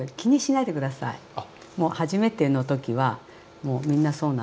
もう初めての時はもうみんなそうなので。